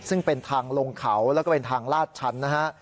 ซึ่งเป็นทางลงเขาแล้วก็เป็นทางลาดชั้นนะฮะ